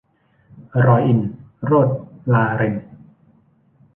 รอยอินทร์ - โรสลาเรน